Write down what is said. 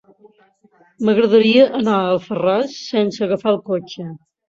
M'agradaria anar a Alfarràs sense agafar el cotxe.